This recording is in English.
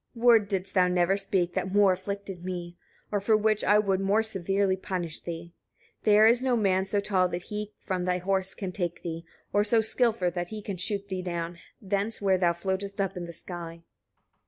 35. "Word didst thou never speak that more afflicted me, or for which I would more severely punish thee. There is no man so tall that he from thy horse can take thee, or so skilful that he can shoot thee down, thence where thou floatest up in the sky."